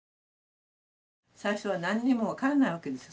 最初は何にも分かんないわけです。